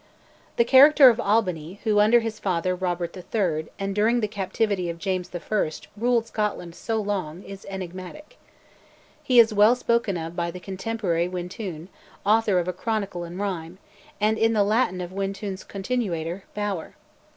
The character of Albany, who, under his father, Robert III., and during the captivity of James I., ruled Scotland so long, is enigmatic. He is well spoken of by the contemporary Wyntoun, author of a chronicle in rhyme; and in the Latin of Wyntoun's continuator, Bower.